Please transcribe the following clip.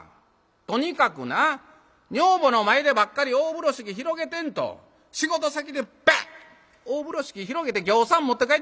とにかくな女房の前でばっかり大風呂敷広げてんと仕事先でバッ大風呂敷広げてぎょうさん持って帰ってきなはれ」。